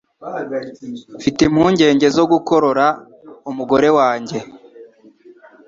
Mfite impungenge zo gukorora umugore wanjye